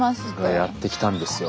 やってきたんですよ。